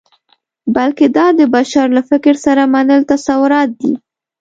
بلکې دا د بشر له فکر سره مل تصورات دي.